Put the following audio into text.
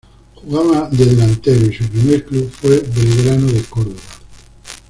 Jugaba de delantero y su primer club fue Belgrano de Córdoba.